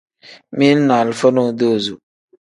Mili ni alifa nodozo.